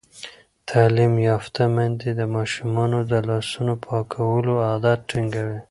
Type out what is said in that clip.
تعلیم یافته میندې د ماشومانو د لاسونو پاکولو عادت ټینګوي.